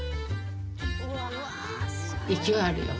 勢いあるよ。